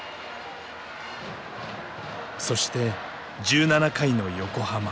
そして１７回の横浜。